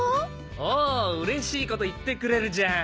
おぉうれしいこといってくれるじゃん！